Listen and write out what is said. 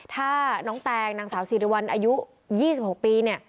ถ้าน้องแตงนางสาวสิริวัลอายุ๒๖ปีเนี่ย